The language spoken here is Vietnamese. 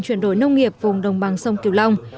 chuyển đổi nông nghiệp vùng đồng bằng sông kiều long